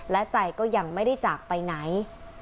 และใจก็ยังไม่ได้จากไปไหน